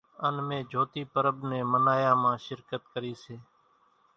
ان مين جھوتي پرٻ نين منايا مان شرڪت ڪري سي